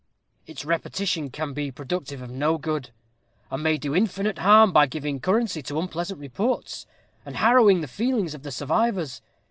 Its repetition can be productive of no good, and may do infinite harm by giving currency to unpleasant reports, and harrowing the feelings of the survivors.